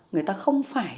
người ta không phải